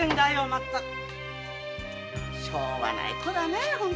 しょうがない子だねぇ。